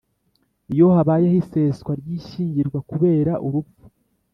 iyo habayeho iseswa ry ishyingirwa kubera urupfu